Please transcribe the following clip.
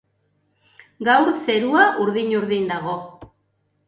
Gaur zerua urdin-urdin dago